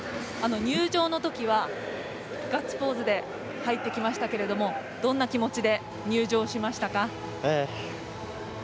入場のときはガッツポーズで入ってきましたけれどもどんな気持ちで入場しましたか。